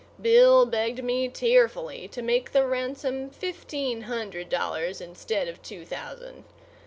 Bill begged me tearfully to make the ransom fifteen hundred dollars instead of two thousand.